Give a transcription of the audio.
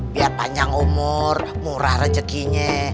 biar panjang umur murah rejekinya